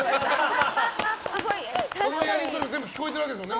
そのやり取り全部聞こえているんですよね。